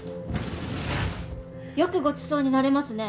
よくごちそうになれますね？